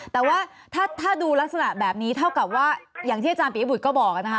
แต่ว่าถ้าดูลักษณะแบบนี้เท่ากับว่าอย่างที่อาจารย์ปียบุตรก็บอกนะคะ